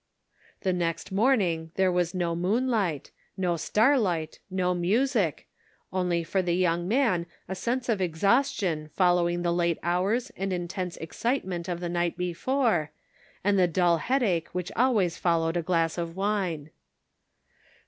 The next morning there was no moon light, no star light, no music, only for the young man a sense of exhaustion following the late hours and intense excitement of the night before, and the dull headache which always followed a glass of wine.